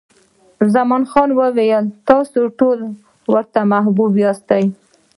خان زمان وویل، تاسې ټوله ورته محبوب یاست.